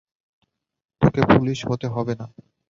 তোকে পুলিশ হতে হবে না।